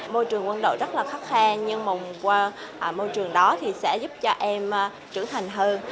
môi trường quân đội rất là khắc kha nhưng mong qua môi trường đó sẽ giúp cho em trưởng thành hơn